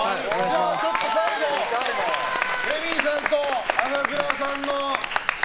最後、レミイさんと朝倉さんの。